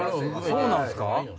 そうなんすか？